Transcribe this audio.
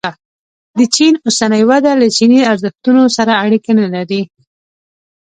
د چین اوسنۍ وده له چیني ارزښتونو سره اړیکه نه لري.